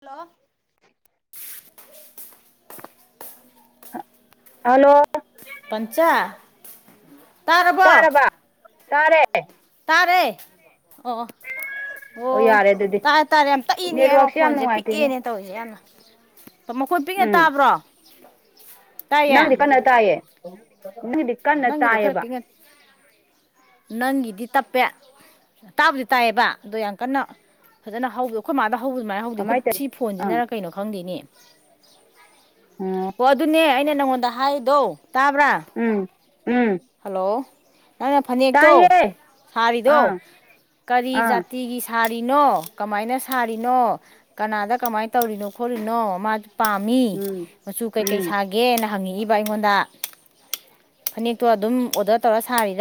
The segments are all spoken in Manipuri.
ꯍꯜꯂꯣ ꯍꯂꯣ ꯎꯝ ꯇꯥꯔꯔꯕꯣ ꯇꯥꯔꯕ ꯇꯥꯔꯦ ꯇꯔꯦ ꯑꯣ ꯑꯣ ꯌꯥꯔꯦ ꯑꯗꯨꯗꯤ ꯇꯥꯔꯦ ꯇꯥꯔꯦ ꯌꯥꯝ ꯇꯛꯏꯅꯦ ꯑꯩ ꯅꯦꯠꯋꯥꯛꯁꯦ ꯌꯥꯝ ꯃꯈꯣꯟꯜꯁꯦ ꯅꯨꯡꯉꯥꯏꯇꯦꯅꯦ ꯄꯤꯛꯑꯦꯅꯦ ꯇꯧꯔꯤꯁꯦ ꯌꯥꯝꯅ ꯃꯈꯣꯏ ꯄꯤꯛꯉ ꯇꯥꯕ꯭ꯔꯣ [inaudible] ꯇꯥꯏꯌꯦ ꯅꯪꯗꯤꯀ ꯅ ꯇꯑꯌꯦꯦ ꯍ ꯏꯗꯤ ꯀꯥꯟꯅ ꯅꯪꯒꯤꯗꯣ ꯈꯔ ꯇꯑꯕ ꯄꯤꯛꯅ ꯅꯪꯒꯤꯗꯤ ꯇꯞꯄꯦ ꯇꯥꯕꯨꯗꯤ ꯇꯥꯏꯌꯦꯕ ꯑꯗꯣ ꯌꯥꯝ ꯀꯟꯅ ꯐꯖꯅ ꯍꯧꯋ ꯑꯩꯈꯣꯏ ꯃꯥꯗ ꯍꯧ ꯍꯧꯕ ꯑꯗꯨꯃꯥꯏꯅ ꯍꯧꯗꯦ ꯑꯩꯈꯣꯏ ꯀꯃꯥꯏ ꯇꯧꯋꯤ ꯁꯤ ꯑꯥ ꯐꯣꯟꯁꯤꯖꯤꯟꯅꯔꯛ ꯀꯩꯅꯣ ꯈꯪꯦꯅꯤ [unintelligible] ꯑꯣ ꯑꯗꯨꯅꯦ ꯑꯩꯅ ꯅꯪꯉꯣꯟꯗ ꯍꯥꯏꯗꯣ ꯇꯥꯕ꯭ꯔꯥ ꯎꯝ ꯎꯝ ꯍꯜꯂꯣ ꯅꯪꯅ ꯐꯅꯦꯛꯇꯣ ꯇꯥꯏꯌꯦ ꯁꯥꯔꯤꯗꯣ ꯑꯥ ꯀꯔꯤ ꯑꯥ ꯖꯥꯇꯤꯒꯤ ꯁꯥꯔꯤꯅꯣ ꯀꯃꯥꯏꯅ ꯁꯥꯔꯤꯅꯣ ꯀꯅꯥꯗ ꯀꯃꯥꯏꯅ ꯇꯧꯔꯤꯅꯣ ꯈꯣꯠꯂꯤꯔꯤꯅꯣ ꯃꯥ ꯄꯥꯝꯃꯤ ꯎꯝ ꯃꯆꯨ ꯀꯩꯀꯩ ꯎꯝ ꯁꯥꯒꯦꯅ ꯍꯪꯉꯛꯏ ꯑꯗꯨꯒ ꯑꯩꯉꯣꯟꯗ ꯐꯅꯦꯛ ꯇꯣ ꯑꯗꯨꯝ ꯑꯣꯔꯗꯔ ꯇꯧꯔ ꯁꯥꯔꯤꯅꯤ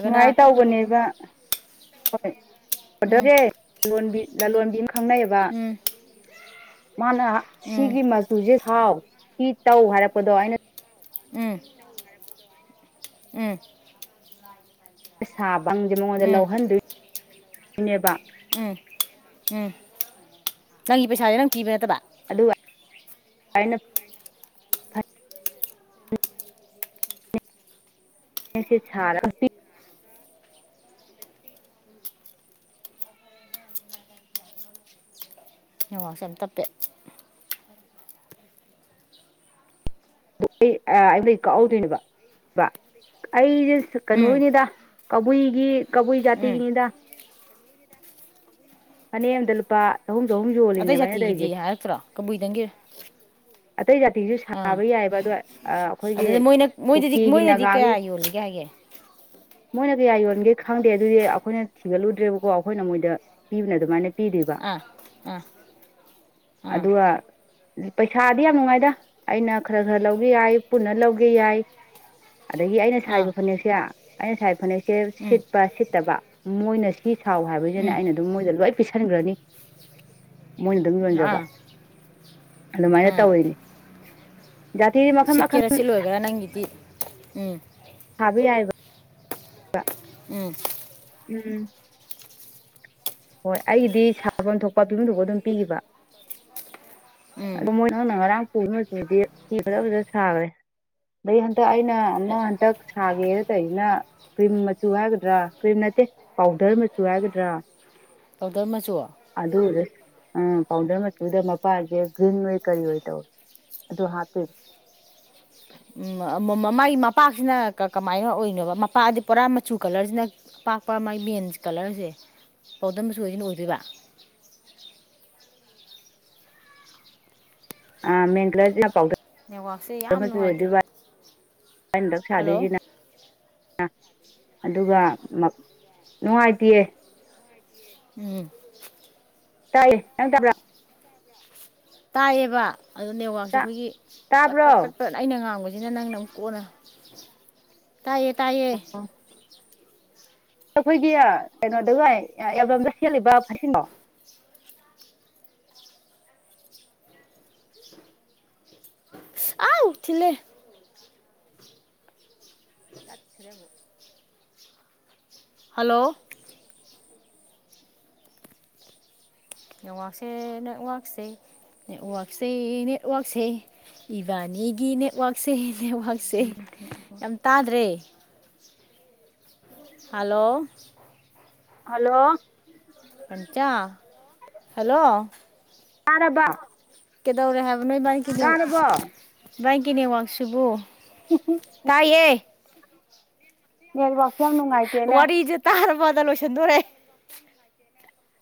ꯅꯨꯡꯉꯥꯏ ꯇꯧꯕꯅꯦꯕ ꯍꯣꯏ ꯎꯝ ꯑꯣꯗꯒꯦ ꯂꯂꯣꯟꯕꯤ ꯈꯪꯅꯩꯕ ꯎꯝ ꯃꯥꯅ ꯎꯝ ꯁꯤꯒꯤ ꯃꯆꯨꯁꯦ ꯊꯥꯎ ꯍ ꯇꯧ ꯍꯥꯏꯔꯛꯄꯗꯣ ꯑꯩꯅ ꯎꯝ ꯎꯝ ꯍꯁꯥ ꯄꯪꯁꯦ ꯃꯉꯣꯟꯗ ꯎꯝ ꯂꯧꯍꯟꯗꯣꯏꯏ ꯅꯦꯕ ꯎꯝ ꯎꯝ ꯅꯪꯒꯤ ꯄꯩꯁꯥꯁꯦ ꯅꯪ ꯀꯤꯕ ꯅꯠꯇꯕ ꯑꯗꯨꯒ ꯄ ꯁꯦꯔ ꯌꯦꯉꯥꯛꯁ ꯇ ꯄꯦ ꯑꯩꯩ ꯀꯛꯍꯧꯗꯣꯏꯅꯦꯕ ꯑꯩꯁꯦ ꯎꯝ ꯀꯅꯨꯅꯤꯗ ꯀ ꯍꯨꯏꯒꯤ ꯀꯕꯨꯏ ꯎꯝ ꯌꯥꯇꯒꯤꯅꯤꯗ ꯐꯅ ꯑꯗ ꯂꯨꯄꯥ ꯆꯍꯨꯝ ꯆꯍꯨꯝ ꯑꯇꯩ ꯌꯣꯜꯂꯤꯅꯦꯕ ꯑꯩꯅ ꯖꯥꯇꯤꯒꯤꯗꯤ ꯇꯧꯔꯤꯁꯦ ꯍꯥꯏꯔꯛꯇ꯭ꯔꯣ ꯀꯕꯨꯏꯗꯪꯒꯤ ꯑꯇꯩ ꯖꯥꯇꯤꯁꯨ ꯑꯥ ꯁꯥꯕ ꯌꯥꯏ ꯑꯗꯨꯗ ꯃꯣꯏꯅ ꯃꯣꯏꯗꯗꯤ ꯀꯨꯀꯤꯒꯤ ꯃꯣꯏꯅꯗꯤ ꯅꯥꯒꯥꯒꯤ ꯀꯌꯥ ꯌꯣꯜꯂꯤꯒꯦ ꯍꯥꯏꯒꯦ ꯃꯣꯏꯅ ꯀꯌꯥ ꯌꯣꯟꯒꯦ ꯈꯪꯗꯦ ꯑꯗꯨꯗꯤ ꯑꯩꯈꯣꯏꯅ ꯊꯤꯒꯠꯂꯨꯗ꯭ꯔꯦꯕꯀꯣ ꯑꯩꯈꯣꯏꯅ ꯃꯣꯏꯗ ꯄꯤꯕꯅ ꯑꯗꯨꯃꯥꯏꯅ ꯄꯤꯗꯕ ꯑꯥ ꯑꯥ ꯑꯥ ꯑꯗꯨꯒ ꯄꯩꯁꯥꯗꯤ ꯌꯥꯝ ꯅꯨꯡꯉꯥꯏꯗ ꯑꯩꯅ ꯈꯔ ꯈꯔ ꯂꯧꯒꯦ ꯌꯥꯏ ꯄꯨꯟꯅ ꯂꯧꯒꯦ ꯌꯥꯏ ꯑꯗꯒꯤ ꯑꯩꯅ ꯑꯥ ꯁꯥꯔꯤꯕ ꯐꯅꯦꯛꯁꯦ ꯑꯩ ꯁꯥꯏ ꯐꯅꯦ ꯁꯦ ꯎꯝ ꯁꯤꯠꯄ ꯁꯤꯠꯇꯕ ꯃꯣꯏꯅ ꯐꯤ ꯁꯥꯎ ꯍꯥꯏꯕꯁꯤꯅ ꯎꯝ ꯑꯩꯅ ꯑꯗꯨꯝ ꯃꯣꯏꯗ ꯂꯣꯏ ꯄ ꯈꯟꯈ꯭ꯔꯅꯤ ꯃꯣꯏꯅ ꯑꯗꯨꯝ ꯌꯣꯟꯖꯕ ꯑꯥ ꯑꯗꯨꯃꯥꯏꯅ ꯑꯥ ꯇꯧꯔꯤꯤꯅꯦ ꯁꯤꯠꯀꯦꯔꯥ ꯁꯤꯠꯂꯣꯏꯒꯔꯥ ꯅꯪꯒꯤꯗꯤ ꯎꯝ ꯍꯥꯕꯤ ꯍꯥꯏꯕ ꯎꯝ ꯎꯝ ꯍꯣꯏ ꯑꯩꯒꯤꯗꯤ ꯁꯥꯐꯝ ꯊꯣꯛꯄ ꯄꯤꯕꯐꯝ ꯊꯣꯛꯄ ꯑꯗꯨꯝ ꯄꯤꯈꯤꯕ ꯎꯝ ꯅ ꯑꯔꯝ ꯀꯨ ꯃꯆꯨꯗꯤ ꯐꯤ ꯐꯖ ꯐꯖ ꯁꯥꯈ꯭ꯔꯦ ꯑꯗꯩ ꯍꯟꯗꯛ ꯑꯩꯅ ꯑꯃ ꯍꯟꯇꯛ ꯁꯥꯒꯦꯅ ꯇꯧꯔꯤꯁꯤꯅ ꯀ꯭ꯔꯤꯝ ꯃꯆꯨ ꯍꯥꯏꯒꯗ꯭ꯔꯥ ꯀ꯭ꯔꯤꯝ ꯅꯠꯇꯦ ꯄꯥꯎꯗꯔ ꯃꯆꯨ ꯍꯥꯏꯒꯗ꯭ꯔꯥ ꯄꯥꯎꯗꯔ ꯃꯆꯨ ꯎꯝ ꯄꯥꯎꯗꯔ ꯃꯆꯨꯗ ꯃꯄꯥꯁꯦ ꯒ꯭ꯔꯤꯟ ꯑꯣꯏ ꯀꯔꯤ ꯑꯣꯏ ꯇꯧ ꯑꯗꯨ ꯍꯥꯞꯄꯤꯔ ꯃꯥꯒꯤ ꯃꯄꯥꯛꯁꯤꯅ ꯀꯃꯥꯏꯅ ꯑꯣꯏꯅꯣꯕ ꯃꯄꯥꯛꯑꯗꯤ ꯄꯨꯔꯥ ꯃꯆꯨ ꯀꯂꯔꯁꯤꯅ ꯑꯄꯥꯛꯄ ꯃꯥꯒꯤ ꯃꯦꯟꯁ ꯀꯂꯔꯁꯦ ꯄꯥꯎꯗꯝ ꯃꯆꯨꯁꯤꯅ ꯑꯣꯏꯗꯣꯏꯕ ꯑ ꯃꯦꯦꯟꯒꯂ ꯄꯥꯎꯗ ꯅꯦꯠꯋꯥꯛꯁꯦ ꯌꯥꯝ ꯅꯨꯡꯉꯥꯏꯇꯦ ꯍꯟꯗꯛ ꯍꯜꯂꯣ ꯁꯥꯗꯣꯏꯁꯤꯅ ꯑꯗꯨꯒ ꯅꯨꯡꯉꯥꯏꯇꯌꯦ ꯎꯝ ꯇꯥꯏꯌꯦ ꯅꯡ ꯇꯕ꯭ꯔꯥ ꯇꯥꯏꯌꯦꯕ ꯑꯗꯣ ꯅꯦꯠꯋꯥꯛꯁꯦ ꯑꯩꯈꯣꯏꯒꯤ ꯄꯠ ꯇꯥꯕ꯭ꯔꯣ ꯄꯠ ꯄꯠ ꯄꯠ ꯑꯩꯅ ꯉꯥꯡꯕꯕꯁꯤꯁ ꯑꯅ ꯅꯪꯅ ꯑꯃꯨꯛ ꯀꯣꯟꯅ ꯇꯥꯏꯌꯦ ꯇꯥꯏꯌꯦ ꯑꯩꯈꯣꯏꯒꯤ ꯀꯩꯅꯣꯗꯒ ꯑꯦꯜꯕꯝꯗ ꯁꯦꯠꯂꯤꯕ ꯐꯩꯁꯤꯡꯗꯣ ꯌꯥꯥꯎ ꯇꯠꯈꯔꯦꯕꯨ ꯍꯜꯂꯣ ꯅꯦꯠꯋꯥꯛꯁꯦ ꯅꯦꯠꯋꯥꯛꯁꯦ ꯅꯦꯠꯋꯥꯛꯁꯦ ꯅꯦꯠꯋꯥꯛꯁꯦ ꯏꯕꯥꯅꯤꯒꯤ ꯅꯦꯠꯋꯥꯛꯁꯦ ꯅꯦꯠꯋꯥꯛꯁꯦ ꯌꯥꯝ ꯇꯥꯗ꯭ꯔꯦ ꯍꯂꯣ ꯍꯜꯂꯣ ꯄꯟꯆꯥ ꯑꯔꯕ ꯀꯗꯧꯔꯤ ꯍꯥꯏꯕ ꯂꯨꯩꯕꯅꯤ ꯀꯂꯤꯧ ꯏꯒꯤꯦꯅꯦ ꯋꯥꯥꯛꯁꯨꯕꯣ ꯇꯥꯏꯌꯦꯌꯦ ꯌꯦꯁ ꯋꯥ ꯋꯥꯔꯤꯖ ꯇꯔꯕ ꯗ ꯂꯣꯏꯁꯤꯟꯗꯣꯔꯦ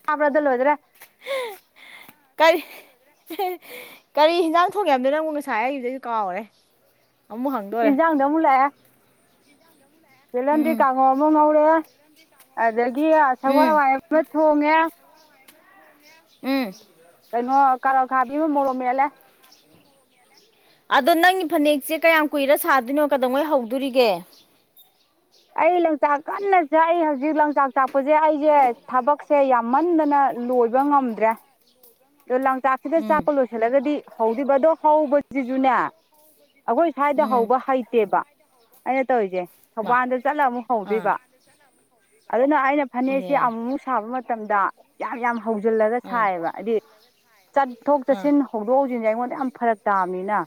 ꯍꯥꯕ꯭ꯔꯗꯜ ꯍꯣꯗ꯭ꯔꯦ ꯀꯔꯤ ꯀꯔꯤ ꯍꯟꯖꯥꯡ ꯊꯣꯡꯉꯦꯗ ꯅꯪ ꯑꯃꯛ ꯉꯁꯥꯏ ꯑꯩꯁꯤꯗꯩꯁꯨ ꯀꯥꯎꯔꯦ ꯑꯃꯨꯛ ꯍꯪꯗꯣꯔꯦ ꯏꯖꯥꯡꯗ ꯃꯨꯂꯦ ꯂꯗꯤ ꯎꯝ ꯀꯥꯉꯣꯃ ꯉꯧꯔꯦ ꯑꯗꯨꯗꯒꯤ ꯎꯝ ꯁꯒꯋꯥ ꯋꯥꯏ ꯑꯃ ꯊꯣꯡꯉꯦ ꯎꯝ ꯀꯩꯅꯩꯅꯣ ꯀꯔ ꯈꯥꯕꯤ ꯃꯣꯂꯣ ꯃꯂ ꯑꯗꯣ ꯅꯪꯒꯤ ꯐꯅꯦꯛꯁꯦ ꯀꯌꯥꯝ ꯀꯨꯏꯔ ꯁꯥꯗꯣꯏꯅꯣ ꯀꯗꯧꯉꯩ ꯍꯧꯗꯣꯔꯤꯒꯦ ꯑꯩ ꯂꯥꯡꯆꯥꯛ ꯀꯟꯅꯁꯦ ꯑꯩ ꯍꯧꯖꯤꯛ ꯂꯪꯆꯥꯛ ꯆꯥꯛꯄꯁꯦ ꯑꯩꯁꯦ ꯊꯕꯛꯁꯦ ꯌꯥꯝꯃꯟꯗꯅ ꯂꯣꯏꯕ ꯉꯝꯗ꯭ꯔꯦ ꯑꯣꯥꯛ ꯆꯥꯛꯁꯤꯗ ꯎꯝ ꯆꯥꯛꯄ ꯂꯣꯏꯁꯤꯜꯂꯒꯗꯤ ꯍꯧꯗꯕ ꯑꯗꯣ ꯍꯧꯕꯁꯤꯁꯨꯅꯦ ꯑꯩꯈꯣꯏ ꯁ꯭ꯋꯥꯏꯗ ꯎꯝ ꯍꯧꯕ ꯍꯩꯇꯦꯕ ꯑꯩꯅ ꯇꯧꯔꯤꯁꯦ ꯃꯥ ꯊꯧꯕꯥꯜꯗ ꯆꯠꯂ ꯑꯃꯨꯛ ꯑꯥ ꯍꯧꯗꯣꯏꯕ ꯑꯗꯨꯅ ꯑꯩꯅ ꯐꯅꯦꯛꯁꯤ ꯏꯍꯦ ꯑꯃꯨꯃꯨꯛ ꯁꯥꯕ ꯃꯇꯝꯗ ꯌꯥꯝ ꯌꯥꯝ ꯍꯧꯖꯤꯜꯂꯒ ꯑꯥ ꯁꯥꯏꯌꯦꯕ ꯍꯥꯏꯗꯤ ꯆꯠꯊꯣꯛ ꯑꯥ ꯆꯠꯁꯤꯟ ꯍꯧꯗꯣꯛ ꯍꯧꯖꯤꯟꯁꯦ ꯑꯩꯉꯣꯟꯗ ꯌꯥꯝ ꯐꯔꯛ ꯇꯥꯕꯅꯤꯅ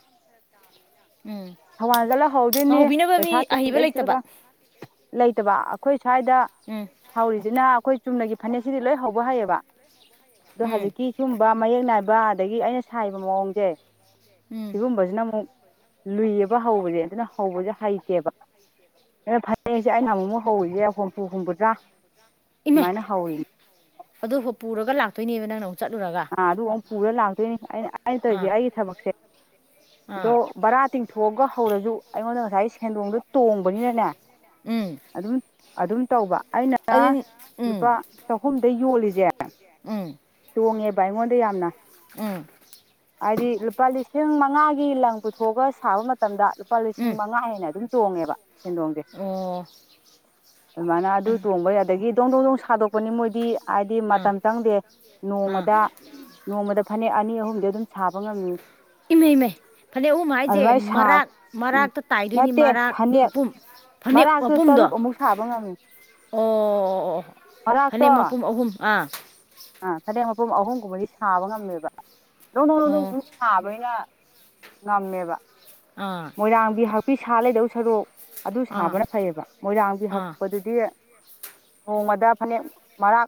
ꯎꯝ ꯊꯧꯕꯥꯜ ꯆꯠꯂꯍꯧꯗꯣꯏꯅꯤ ꯍꯧꯕꯤꯅꯕ ꯄꯩꯁꯥ ꯃꯤ ꯇꯦꯡꯒ ꯑꯍꯩꯕ ꯂꯩꯇꯕ ꯆꯒ ꯂꯩꯇꯕ ꯑꯩꯈꯣꯏ ꯁ꯭ꯋꯥꯏꯗ ꯎꯝ ꯍꯧꯔꯤꯁꯤꯅ ꯑꯩꯈꯣꯏ ꯆꯨꯝꯅꯒꯤ ꯐꯅꯦꯛꯁꯤꯗꯤ ꯂꯣꯏ ꯍꯧꯕ ꯍꯩꯌꯦꯕ ꯑꯣ ꯎꯝ ꯍꯧꯖꯤꯛꯀꯤ ꯁꯒꯨꯝꯕ ꯃꯌꯦꯛ ꯅꯥꯏꯕ ꯑꯗꯒꯤ ꯑꯩꯅ ꯁꯥꯕ ꯃꯑꯣꯡꯁꯦ ꯎꯝ ꯁꯤꯒꯨꯝ ꯖꯅꯥꯃ ꯂꯨꯏꯌꯦꯕ ꯍꯧꯕꯁꯦ ꯑꯗꯨꯅ ꯍꯧꯕꯁꯦ ꯍꯩꯇꯦꯕ ꯐ ꯍꯌꯦꯡꯁꯦ ꯑꯩꯅ ꯅ ꯑꯃꯨꯛꯨꯛ ꯍꯧꯔꯤꯁꯦ ꯍꯨꯝꯐꯨ ꯍꯨꯝꯕꯗ꯭ꯔꯥ ꯏꯃꯥ ꯃꯥꯥꯏꯅ ꯍꯥꯎꯋꯅ ꯑꯗꯨ ꯄꯨꯔꯒ ꯂꯥꯛꯇꯣꯏꯅꯦꯕ ꯅꯪꯅꯧ ꯑꯥ ꯑꯗꯨ ꯑꯃꯨꯛ ꯄꯨꯔ ꯂꯥꯛꯇꯣꯏꯅꯤ ꯑꯩꯅ ꯑꯩꯅ ꯑꯥ ꯇꯧꯔꯤꯁꯦ ꯑꯩꯒꯤ ꯊꯕꯛꯁꯦ ꯑꯗꯣ ꯑꯥ ꯕꯔꯥ ꯇꯤꯡꯊꯣꯛꯑꯒ ꯍꯧꯔꯁꯨ ꯑꯩꯉꯣꯟꯗ ꯉꯁꯥꯏ ꯁꯦꯟꯗꯣꯡꯗꯣ ꯇꯣꯡꯕꯅꯤꯅꯅꯦ ꯎꯝ ꯑꯗꯨꯝ ꯑꯗꯨꯝ ꯇꯧꯕ ꯑꯩꯅ ꯑꯗꯨ ꯂꯨꯄꯥ ꯎꯝ ꯆꯍꯨꯝꯗ ꯌꯣꯜꯂꯤꯁꯦ ꯎꯝ ꯍꯣꯡꯉꯦꯕ ꯑꯩꯉꯣꯟꯗ ꯌꯥꯝꯅ ꯎꯝ ꯍꯥꯏꯗꯤ ꯂꯨꯄꯥ ꯂꯤꯁꯤꯡ ꯃꯉꯥꯒꯤ ꯂꯪ ꯄꯨꯊꯣꯛꯑꯒ ꯁꯥꯕ ꯃꯇꯝꯗ ꯂꯨꯄꯥ ꯂꯤꯁꯤꯡ ꯎꯝ ꯃꯉꯥ ꯍꯦꯅ ꯑꯗꯨꯝ ꯇꯣꯡꯉꯦꯕ ꯁꯦꯟꯗꯣꯡꯁꯦ ꯑꯣ ꯑꯗꯨꯃꯥꯏꯅ ꯑꯗꯨ ꯇꯣꯡꯕ ꯑꯗꯒꯤ ꯗꯣꯡ ꯗꯣꯡ ꯗꯣꯡ ꯁꯥꯗꯣꯛꯄꯅꯤ ꯃꯣꯏꯗꯤ ꯍꯥꯏꯗꯤ ꯑꯥ ꯃꯇꯝ ꯆꯪꯗꯦ ꯑꯥ ꯅꯣꯡꯃꯗ ꯅꯣꯡꯃꯗ ꯐꯅꯦꯛ ꯑꯅꯤ ꯑꯍꯨꯝꯗꯤ ꯑꯗꯨꯝ ꯁꯥꯕ ꯉꯝꯃꯤ ꯏꯃꯩ ꯏꯃꯩ ꯐꯅꯦꯛ ꯑꯍꯨꯝ ꯍꯥꯏꯁꯦ ꯑꯗꯨꯃꯥꯏꯅ ꯁꯥ ꯃꯔꯥꯛ ꯎꯝ ꯃꯔꯥꯛꯇ ꯇꯥꯏꯗꯣꯏꯅꯤ ꯅꯠꯇꯦ ꯃꯔꯥꯛ ꯐꯅꯦꯛ ꯃꯄꯨꯝ ꯐꯅꯦꯛ ꯃꯔꯥꯛꯛꯇꯨ ꯃꯄꯨꯝꯗꯣ ꯇꯔꯨꯛ ꯑꯃꯨꯛ ꯁꯥꯕ ꯉꯝꯃꯤ ꯑꯣ ꯑꯣ ꯃꯔꯥꯛꯇꯣ ꯐꯅꯦꯛ ꯃꯄꯨꯝ ꯑꯍꯨꯝ ꯑꯥ ꯑꯥ ꯐꯅꯦꯛ ꯃꯄꯨꯝ ꯑꯍꯨꯝꯒꯨꯝꯕꯗꯤ ꯁꯥꯕ ꯉꯝꯃꯦꯕ ꯅꯣꯡ ꯅ ꯑꯣ ꯅꯣꯡꯁꯨ ꯁꯕꯩꯂ ꯃꯥꯃꯕ ꯑꯥ ꯃꯣꯏꯔꯕꯤꯍꯕꯤ ꯁꯂꯦꯗꯧ ꯁꯔꯨꯛ ꯑꯗꯨ ꯑꯥ ꯁꯥꯕꯅ ꯐꯩꯑꯕ ꯃꯣꯏꯔꯥꯡꯒꯤ ꯑꯥ ꯍꯛꯄꯗꯨꯗꯤ ꯅꯣꯡꯃꯗ ꯐꯅꯦꯛ ꯃꯔꯥꯛ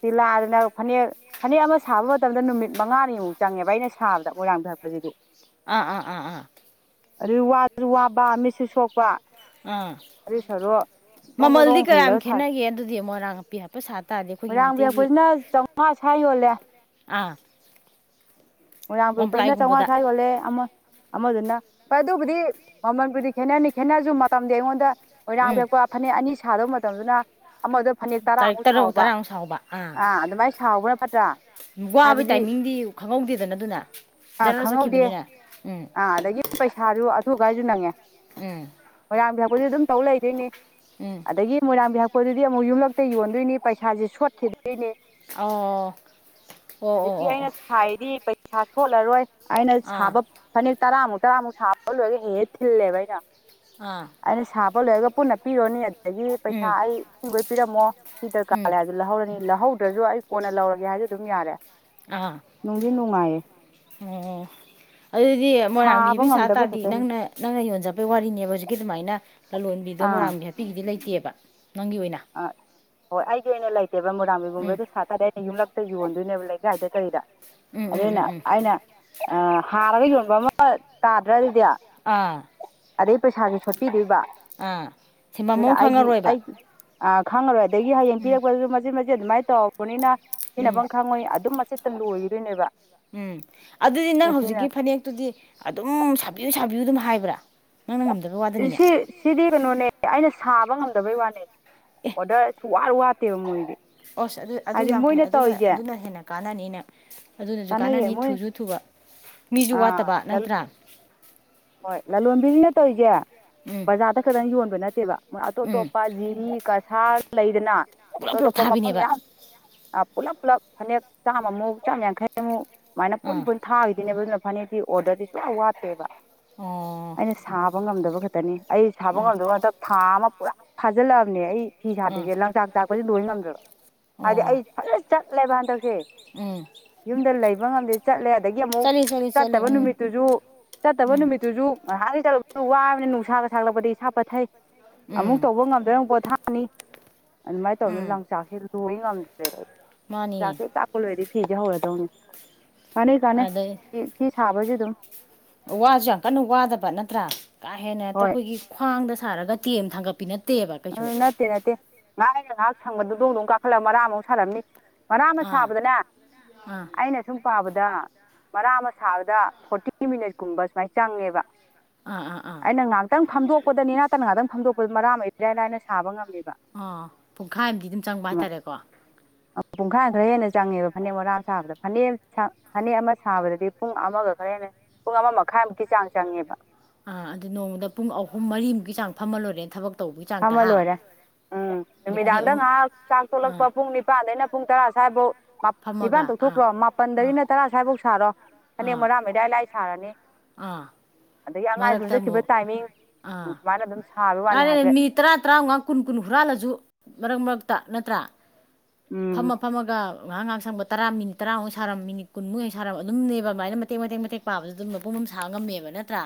ꯇꯤꯜꯂꯥꯑ ꯐꯅꯦꯛ ꯐꯅꯦꯛ ꯑꯃ ꯁꯥꯕ ꯃꯇꯝꯗ ꯅꯨꯃꯤꯠ ꯃꯉꯥꯅꯤꯃꯨꯛ ꯆꯪꯉꯦꯕ ꯑꯩꯅ ꯁꯥꯕꯗ ꯃꯣꯏꯔꯥꯡ ꯊꯔꯛꯄꯁꯤꯗꯤ ꯑꯥ ꯑꯥ ꯑꯥ ꯑꯥ ꯑꯗꯥꯒꯤ ꯋꯥꯖ ꯋꯥꯕ ꯃꯦꯁꯤ ꯁꯣꯛꯄ ꯑꯥ ꯑꯗꯨꯏ ꯁꯔꯨꯛ ꯗꯣꯡ ꯗꯣꯡ ꯃꯃꯜꯗꯤ ꯗꯣꯡ ꯀꯌꯥꯝ ꯍꯨꯜꯂꯒ ꯁꯥ ꯈꯦꯠꯅꯒꯦ ꯑꯗꯨꯗꯤ ꯃꯣꯏꯔꯥꯡ ꯑꯅꯥꯄꯤ ꯍꯥꯞꯄ ꯁꯥ ꯇꯥꯔꯗꯤ ꯑꯩꯈꯣꯏꯒꯤ ꯃꯩꯇꯩꯒꯤ ꯍꯁꯏ ꯋꯥꯂꯦ ꯑꯥ ꯃꯣꯏꯔꯥꯡ ꯈꯨꯣꯏꯅ ꯆꯥꯝꯃꯉꯥ ꯋꯥꯟꯄ꯭ꯂꯥꯏꯒꯨꯝꯕꯗ ꯁ꯭ꯋꯥ ꯌꯣꯜꯂꯦ ꯑꯃ ꯑꯃꯗꯨꯅ ꯍꯣꯏ ꯑꯗꯨꯕꯨꯗꯤ ꯃꯃꯜꯕꯨꯗꯤ ꯈꯦꯠꯅꯅꯤ ꯈꯦꯠꯅꯔꯁꯨ ꯃꯇꯝꯗꯤ ꯑꯩꯉꯣꯟꯗ ꯑꯣꯏꯣꯏꯔꯥꯡ ꯎꯝ ꯀꯛꯄ ꯐꯅꯦꯛ ꯑꯅꯤ ꯁꯥꯗꯧ ꯇꯗꯨꯅ ꯑꯃꯗ ꯐꯅꯦꯛ ꯇꯥꯔꯤꯛ ꯇꯔꯥꯃꯨꯛ ꯇꯔꯨꯛ ꯁꯥꯎꯕ ꯇꯔꯥꯃꯨꯛ ꯁꯥꯎꯕ ꯑꯥ ꯑꯗꯨꯃꯥꯏꯅ ꯁꯥꯎꯕꯅ ꯀꯇꯥ [unintelligible] ꯋꯥꯕꯒꯤ ꯇꯥꯏꯃꯤꯡꯗꯤ ꯈꯪꯍꯧꯗ ꯗꯅ ꯑꯗꯨꯅ ꯑꯥ ꯖꯔꯦꯜ ꯈꯪꯍꯧꯗꯦ ꯆꯠꯈꯤꯕꯅꯤꯅ ꯎꯝ [unintelligible] ꯎꯝ ꯃꯣꯏꯔꯥꯡꯕꯤꯍꯛꯄꯨꯗꯤ ꯑꯗꯨꯝ ꯇꯧ ꯂꯩꯗꯣꯏꯅꯦ ꯎꯝ ꯑꯗꯒꯤ ꯃꯣꯏꯔꯥꯡꯕꯤꯍꯥꯛꯄ ꯍꯣꯏ ꯑꯗꯨꯗꯤ ꯑꯃꯨꯛ ꯌꯨꯝꯂꯛꯇ ꯌꯣꯟꯗꯣꯏꯅꯤ ꯄꯩꯁꯥꯁꯦ ꯁꯣꯠꯈꯤ ꯑꯣ ꯑꯣ ꯑꯣ ꯍꯧꯖꯤꯛꯀꯤ ꯑꯩꯅ ꯑꯣ ꯁꯥꯏꯗꯤ ꯑꯣ ꯄꯩꯁꯥ ꯁꯣꯠꯂꯔꯣꯏ ꯑꯩꯅ ꯑꯥ ꯁꯥꯕ ꯐꯅꯦꯛ ꯇꯔꯥꯨ ꯇꯔꯑꯃꯨꯛ ꯁꯥꯕ ꯂꯣꯏꯔꯒ ꯍꯦ ꯊꯤꯜꯂꯦꯕꯚ ꯑꯩꯅ ꯑꯥ ꯑꯩꯅꯁꯕ ꯂꯣꯏꯔꯒ ꯄꯨꯟꯅ ꯄꯤꯔꯣꯅꯤ ꯑꯗꯒꯤ ꯄꯩꯁꯥ ꯎꯝ ꯑꯩ ꯁꯤ ꯄꯤꯔꯝꯃꯣ ꯆꯤꯇ ꯎꯝ ꯀꯥꯦ ꯑꯗꯨ ꯂꯍꯧꯅꯤ ꯂꯍꯧ ꯑꯗꯨ ꯗꯁꯨ ꯑꯩ ꯀꯣꯟꯅ ꯂꯧꯔꯒꯦ ꯍꯥꯏꯁꯨ ꯑꯗꯨꯝ ꯌꯥꯔꯦ ꯑꯥ ꯅꯨꯡꯗꯤ ꯅꯨꯡꯉꯥꯏꯌꯦ ꯑꯣ ꯑꯗꯨꯗꯤ ꯁꯥꯕ ꯃꯣꯏꯔꯥꯡꯕꯤꯁꯤꯤꯕꯤ ꯁꯥ ꯉꯝꯗꯕ ꯇꯥꯔꯗꯤ ꯈꯛꯇꯅꯤ ꯅꯪꯅ ꯅꯪꯅ ꯌꯣꯟꯖꯄꯒꯤ ꯋꯥꯔꯤꯅꯦꯕ ꯍꯧꯖꯤꯛꯀꯤ ꯑꯗꯨꯃꯥꯏꯅ ꯂꯂꯣꯟꯕꯤꯗꯣ ꯑꯥ ꯃꯣꯏꯔꯥꯡꯝꯒꯤ ꯍꯥꯄꯤꯒꯤꯗꯤ ꯂꯩꯇꯦꯕ ꯑ ꯅꯪꯒꯤ ꯑꯣꯏꯅ ꯑꯥ ꯍꯣꯏ ꯑꯩꯒꯤ ꯑꯣꯏꯅ ꯂꯩ ꯕꯥ ꯃꯔꯥꯃꯤ ꯒꯨꯝꯃꯦ ꯎꯝ ꯁ ꯁꯥ ꯇꯗꯨꯝ ꯂ [unintelligible] ꯌꯣꯟꯗꯣꯏꯅꯦꯕ ꯂꯩꯀꯥꯏꯗ ꯀꯩꯗ ꯎꯝ ꯎꯝ ꯑꯗꯨꯗꯅ ꯎꯝ ꯎꯝ ꯑꯏꯅ ꯑ ꯍꯥꯔꯒ ꯌꯣꯟꯕ ꯑꯃ ꯇꯥꯗ꯭ꯔꯗꯤ ꯑꯥ ꯑꯗꯩ ꯄꯩꯁꯥꯁꯨ ꯁꯣꯠꯄꯤꯗꯣꯏꯕ ꯑꯥ ꯁꯤꯟꯐꯝ ꯑꯗꯨꯅ ꯑꯃ ꯑꯩꯒꯤ ꯈꯪꯉꯔꯣꯏꯕ ꯑꯩꯒꯤ ꯑ ꯈꯥꯡꯔꯣꯏ ꯗ ꯍꯌꯦꯡꯄꯤꯔꯛꯄ ꯑꯗꯨꯃꯥꯏꯅ ꯇꯧꯕꯅꯤꯅ ꯎꯝ ꯁꯤꯟꯅꯐꯝ ꯈꯪꯉꯣꯏ ꯑꯗꯨꯝ ꯆꯠꯇ ꯂꯣꯏꯒꯤꯗꯣꯏꯅꯦꯕ ꯎꯝ ꯑꯗꯨꯗꯤ ꯅꯪ ꯍꯧꯖꯤꯛꯀꯤ ꯐꯅꯦꯛꯇꯨꯗꯤ ꯑꯗꯨꯝ ꯁꯥꯕꯤ ꯑꯗꯨꯝ ꯍꯥꯏꯕ꯭ꯔꯥ ꯅꯪꯅ ꯉꯝꯗꯕ ꯋꯥꯗꯅꯤꯅꯦ ꯁꯤ ꯁꯤꯗꯤꯒ ꯅꯣꯅꯦ ꯑꯩꯅ ꯁꯥꯕ ꯉꯝꯗꯕꯩ ꯋꯥꯅꯤ ꯑꯣꯗ ꯆꯋꯥ ꯋꯥꯋꯥ ꯠꯇꯕ ꯃꯣꯏꯗꯤ ꯑꯁ ꯑꯗꯨ ꯑꯗꯨ ꯍꯥꯏꯗꯤ ꯌꯥꯝ ꯐꯩ ꯃꯣꯏꯅ ꯑꯗꯨꯅ ꯇꯧꯔꯤꯁꯦ ꯑꯗꯨꯅ ꯍꯦꯟꯅ ꯀꯅꯤꯅ ꯑꯗꯨꯅꯁꯨ ꯀꯥꯟꯅꯩꯌꯦ ꯀꯥꯟꯅꯅꯤ ꯃꯣꯏ ꯊꯨꯁꯨ ꯊꯨꯕ ꯃꯤꯁꯨ ꯑ ꯋꯥꯠꯇꯕ ꯅꯠꯇ꯭ꯔꯥ ꯍꯣꯏ ꯂꯂꯣꯟꯕꯤꯁꯤꯅ ꯇꯧꯒꯦ ꯎꯝ ꯕꯖꯥꯔꯗ ꯈꯛꯇꯪ ꯌꯣꯟꯕ ꯅꯠꯇꯦꯕ ꯑꯇꯣꯞ ꯎꯝ ꯑꯇꯣꯞꯄ ꯖꯤꯔꯤ ꯁꯥ ꯂꯩꯗꯅ ꯄꯨꯂꯞ ꯇ ꯄꯨꯂꯞ ꯇꯄ ꯃꯄꯝ ꯊꯥꯕꯤꯅꯦꯕ ꯌꯥ ꯄꯨꯂꯞ ꯄꯨꯂꯞ ꯐꯅꯦꯛ ꯆꯥꯝꯃꯨꯛ ꯆꯥꯝꯃ ꯌꯥꯡꯈꯩꯃꯨꯛ ꯁꯨꯃꯥꯏꯅ ꯄꯨꯟ ꯑꯥ ꯄꯨꯟ ꯊꯥꯈꯤꯗꯤꯅꯦꯕ ꯐꯅꯦꯛꯛꯇ ꯑꯣꯔꯗꯔꯗꯤꯁꯨ ꯌꯥꯝ ꯋꯥꯠꯇꯦꯕ ꯑꯣ ꯑꯩꯅ ꯁꯥꯕ ꯉꯝꯗꯕ ꯈꯇꯅꯤ ꯑꯩ ꯁꯥꯕ ꯑꯥ ꯉꯝꯗꯕ ꯉꯗ ꯊꯥ ꯑꯃ ꯄꯨꯔꯥ ꯐꯥꯖꯤꯜꯂꯛꯑꯕꯅꯦ ꯑꯩ ꯐꯤ ꯑꯥ ꯁꯥꯗ꯭ꯔꯤꯁꯦ ꯂꯪꯆꯥꯛ ꯆꯥꯛꯄꯁꯨ ꯂꯣꯏ ꯉꯝꯗ꯭ꯔꯕ ꯍꯥꯏꯗꯤ ꯑꯣ ꯑꯩ ꯐꯖ ꯆꯠꯂꯦꯕ ꯍꯟꯗꯛꯁꯦ ꯎꯝ ꯌꯨꯝꯗ ꯂꯩꯕ ꯉꯝꯗꯦ ꯆꯠꯂꯦ ꯑꯗꯒꯤ ꯑꯃꯨꯛ ꯆꯠꯂꯤ ꯆꯠꯂꯤ ꯆꯠꯂꯤ ꯆꯠꯇꯕ ꯎꯝ ꯅꯨꯃꯤꯠꯇꯨꯁꯨ ꯆꯠꯇꯕ ꯎꯝ ꯅꯨꯃꯤꯠꯇ ꯥꯟ ꯆꯠꯂ ꯋꯥꯕꯅ ꯅꯨꯡꯁꯥꯒ ꯁꯥꯥꯛꯂꯛꯄꯗꯒꯤ ꯏꯁꯥ ꯄꯠꯊꯩ ꯎꯝ ꯑꯃꯨꯛ ꯇꯧꯕ ꯉꯝꯗ꯭ꯔꯨ ꯀꯣ ꯊ ꯑꯅꯤ ꯑꯗꯨꯃꯥꯏ ꯇꯧꯗꯅ ꯎꯝ ꯂꯝꯣꯡꯆꯥꯛꯁꯤ ꯇ ꯉꯝꯗ ꯑꯩ ꯃꯥꯅꯤꯅꯦ ꯑꯣꯖꯥꯛꯁꯦ ꯆꯥꯛꯄꯂꯣꯏꯔꯗꯤ ꯐꯤꯁꯦ ꯍꯧꯔꯗꯧꯅꯤ ꯀꯥꯟꯅꯩ ꯀꯥꯟꯅꯩ ꯑꯗꯩ ꯐ ꯁꯥꯕꯁꯨ ꯑꯗꯨꯝ ꯋꯥꯁꯨ ꯌꯥꯝ ꯀꯟꯅ ꯋꯥꯗꯕ ꯅꯠꯇ꯭ꯔꯥ ꯀꯥ ꯍꯦꯟꯅꯦꯛꯇ ꯍꯣꯏ ꯑꯩꯈꯣꯏꯒꯤ ꯈ꯭ꯋꯥꯡꯗ ꯁꯥꯔꯒ ꯇꯤꯦꯝ ꯊꯥꯡꯒꯠꯄꯤꯅ ꯎ ꯅꯠꯇꯦ ꯅꯠꯇꯦ ꯉꯥꯏ ꯅꯪꯥꯛ ꯁꯥꯡꯕꯗꯣꯡꯗꯣꯡ ꯀꯥꯛꯈꯜꯂꯝ ꯑꯃꯔꯥꯝꯥꯎ ꯁꯥꯟꯅꯕꯅꯤ ꯃꯔꯥ ꯑꯃ ꯑꯥ ꯁꯥꯕꯗꯅꯦ ꯑꯥ ꯑꯩꯅ ꯁꯨꯝ ꯄꯥꯕꯗ ꯑꯗ ꯃꯔꯥ ꯑꯃ ꯁꯥꯕꯗ ꯐꯣꯔꯇꯤ ꯃꯤꯅꯠ ꯀꯨꯝꯕ ꯁꯨꯃꯥꯏꯅ ꯆꯪꯉꯦꯕ ꯑꯥ ꯑꯥ ꯑꯥ ꯑꯩꯅꯪ ꯉꯥꯏꯍꯥꯛꯇꯪ ꯐꯝꯗꯣꯛꯄꯗꯅꯤ ꯉꯍꯇꯪ ꯉꯍꯥꯛꯇꯪ ꯐꯝꯗꯣꯛꯄ ꯍꫭꯏ ꯃꯔꯛꯃ ꯑꯩ ꯏꯔꯥꯏ ꯂꯥꯏꯅ ꯁꯥꯕ ꯉꯝ ꯑꯣ ꯄꯨꯡꯈꯥꯏ ꯑꯃꯗꯤ ꯑꯗꯨꯝ ꯆꯪꯕ ꯍꯥꯏꯇꯥꯔꯦꯀꯣ ꯄꯨꯡꯈꯥꯏꯃ ꯈꯔ ꯍꯦꯟꯅ ꯆꯪꯉꯦꯕ ꯐꯅꯦꯛ ꯃꯔꯥꯛ ꯑꯃ ꯁꯥꯕꯗ ꯐꯅꯦꯛ ꯐꯅꯦꯛ ꯑꯃ ꯁꯥꯕꯗꯗꯤ ꯄꯨꯡ ꯑꯃꯒ ꯈꯔ ꯍꯦꯟꯅ ꯄꯨꯡ ꯑꯃ ꯃꯈꯥꯏꯃꯨꯛꯀꯤ ꯆꯥꯡ ꯆꯪꯉꯦꯕ ꯑ ꯑꯗꯨ ꯅꯣꯡꯃꯗ ꯄꯨꯡ ꯑꯍꯨꯝ ꯃꯔꯤꯃꯨꯛꯀꯤ ꯆꯥꯡ ꯐꯝꯃ ꯂꯣꯏꯔꯦ ꯊꯕꯛꯇ ꯐꯝꯃꯂꯣꯏꯔꯦ ꯎꯝ ꯑꯗꯩ ꯐꯅꯦꯛ ꯅꯨꯃꯤꯗꯥꯡꯗ ꯑꯍꯨꯝ ꯉꯥꯏꯍꯥꯛ ꯆꯥꯛ ꯇꫭꯛꯂꯛꯄ ꯑꯥ ꯄꯨꯡ ꯅꯤꯄꯥꯟꯗꯩꯅ ꯄꯨꯡ ꯇꯔꯥ ꯁ꯭ꯋꯥꯏꯕꯨꯛ ꯅꯤꯄꯥꯟ ꯐꯝꯃꯒ ꯑꯥ ꯇꫭꯛꯊꯣꯛꯈ꯭ꯔꯣ ꯑꯥ ꯃꯥꯄꯟꯗꯩꯅ ꯇꯔꯥ ꯁ꯭ꯋꯥꯏꯕꯨꯛ ꯁꯥꯔꯣ ꯐꯅꯦꯛ ꯑꯥ ꯃꯔꯥꯛ ꯑꯃ ꯏꯔꯥꯏ ꯂꯥꯏ ꯁꯥꯔꯅꯤ ꯑꯥ ꯑꯗꯒꯤ ꯑꯉꯥꯡ ꯏꯁ꯭ꯀꯨꯜ ꯃꯔꯛꯇ ꯆꯠꯈꯤꯕ ꯑꯃꯨꯛ ꯇꯥꯏꯃꯤꯡ ꯑꯥ ꯁꯨꯃꯥꯏꯅ ꯑꯗꯨꯝ ꯁꯥꯕꯩꯋꯥꯅꯤ ꯑꯗꯨꯅꯦ ꯍꯥꯏꯐꯦꯠ ꯃꯤꯅꯤꯠ ꯇꯔꯥ ꯇ꯭ꯔꯥꯎꯉꯥ ꯀꯨꯟ ꯀꯨꯟ ꯍꯨꯔꯥꯜꯂꯁꯨ ꯃꯔꯛ ꯃꯔꯛꯇ ꯅꯠꯇ꯭ꯔꯥ ꯎꯝ ꯐꯝꯃ ꯐꯝꯃꯒ ꯉꯍꯥꯛ ꯉꯍꯥꯛ ꯁꯪꯕ ꯇꯔꯥ ꯃꯤꯅꯤꯠ ꯇꯔꯥꯃꯨꯛ ꯁꯥꯔꯝ ꯃꯤꯅꯤꯠ ꯀꯨꯟꯃꯨꯛ ꯍꯦꯛ ꯁꯥꯔꯝ ꯑꯗꯨꯝꯅꯦꯕ ꯑꯃꯥꯏꯅ ꯃꯇꯦꯛ ꯃꯇꯦꯛ ꯃꯇꯦꯛ ꯄꯥꯕꯗ ꯑꯗꯨꯝ ꯃꯄꯨꯝ ꯑꯃ ꯁꯥꯥꯡ ꯉꯝꯃꯦꯕ ꯅꯠꯇ꯭ꯔꯥ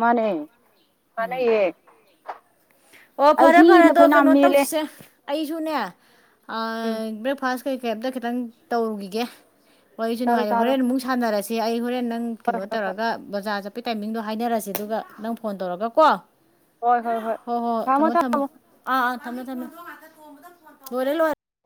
ꯃꯥꯅꯦ ꯀꯥꯟꯅꯩꯌꯦ ꯑꯣ ꯑꯩ ꯐꯔꯦ ꯐꯔꯦ ꯁꯤꯅ ꯑꯗꯣ ꯐꯩꯅꯥꯝ ꯀꯩꯅꯣ ꯃꯦꯜꯂꯦ ꯇꯧꯁꯤꯁꯦ ꯑꯩꯁꯨꯅꯦ ꯑ ꯎꯝ ꯕ꯭ꯔꯦꯛ ꯐꯥꯁ ꯀꯩ ꯀꯩ ꯑꯝꯇ ꯈꯤꯇꯪ ꯇꯧꯔꯨꯒꯤꯒꯦ ꯋꯥꯔꯤꯁꯨ ꯆꯥꯔꯣ ꯅꯨꯡꯉꯥꯏꯔꯤ ꯆꯥꯔꯣ ꯍꯣꯔꯦꯟ ꯑꯃꯨꯛ ꯁꯥꯟꯅꯔꯁꯤ ꯁꯤ ꯑꯩ ꯍꫭꯔꯦꯟ ꯊꯪ ꯀꯩꯅꯣ ꯍꯣꯏ ꯇꯧꯔꯒ ꯕꯖꯥꫪ ꯆꯠ ꯄꯩ ꯇꯥꯏꯃꯤꯡꯗꯣ ꯍꯥꯏꯅꯔꯁꯦ ꯑꯗꯨꯒ ꯅꯪ ꯐꯣꯟ ꯇꯧꯔꯒ ꯀꯣ ꯍꯣꯏ ꯍꯣꯏ ꯍꯣꯏ ꯍꯣꯏ ꯍꯣꯏ ꯊꯝꯃꯣ ꯊꯝꯃꯣ ꯑꯥ ꯑ ꯊꯃꯦ ꯊꯃꯦ ꯂꫭꯏꯔꯦ ꯂꫭꯏꯔꯦ